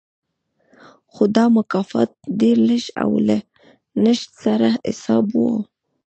خو دا مکافات ډېر لږ او له نشت سره حساب و